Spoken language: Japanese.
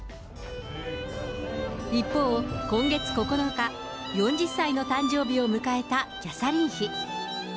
一方、今月９日、４０歳の誕生日を迎えたキャサリン妃。